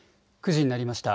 ９時になりました。